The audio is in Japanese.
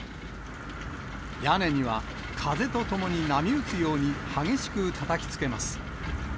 屋根には風とともに波打つように激しくたたきつけます。